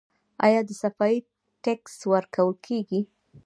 آیا د صفايي ټکس ورکول کیږي؟